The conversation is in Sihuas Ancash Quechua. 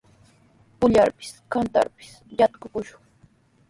Pukllarpis, kantarpis yatrakushun.